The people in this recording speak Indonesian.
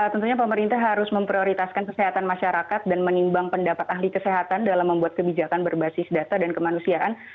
tentunya pemerintah harus memprioritaskan kesehatan masyarakat dan menimbang pendapat ahli kesehatan dalam membuat kebijakan berbasis data dan kemanusiaan